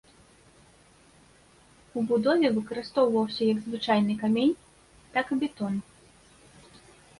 У будове выкарыстоўваўся як звычайны камень, так і бетон.